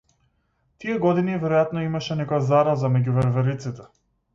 Тие години веројатно имаше некоја зараза меѓу вервериците.